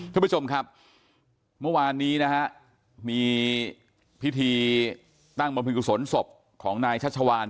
คุณผู้ชมครับเมื่อวานนี้นะฮะมีพิธีตั้งบำเพ็ญกุศลศพของนายชัชวาน